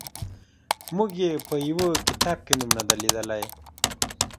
موږ یې په یوه کتاب کې نوم نه دی لیدلی.